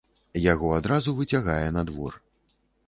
Яго адразу выцягае на двор.